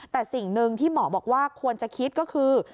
แต่สิ่งหนึ่งที่หมอบอกว่าควรจะคิดก็คือ